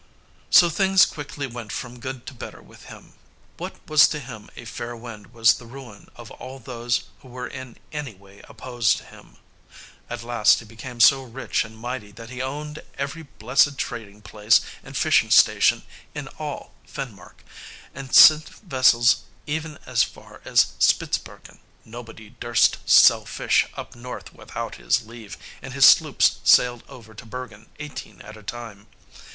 So things quickly went from good to better with him. What was to him a fair wind was the ruin of all those who were in any way opposed to him. At last he became so rich and mighty that he owned every blessed trading place and fishing station in all Finmark, and sent vessels even as far as Spitzbergen. Nobody durst sell fish up north without his leave, and his sloops sailed over to Bergen eighteen at a time.